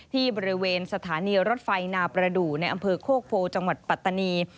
ที่บริเวณสถานีรถไฟนาประดูกในอำเภอโคกโพจังหวัดปัตตานี